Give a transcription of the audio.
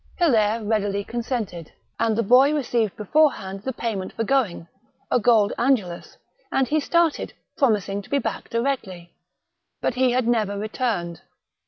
Hilaire readily consented, and the boy received beforehand the payment for going — a gold angelus, and he started, pro mising to be back directly. But he had never returned.